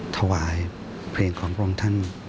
ถวายเพลงของพระองค์ท่าน